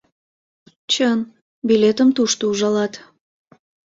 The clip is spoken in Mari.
Чын, билетым тушто ужалат.